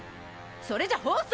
それじゃ放送。